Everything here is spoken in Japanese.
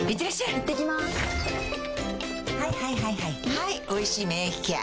はい「おいしい免疫ケア」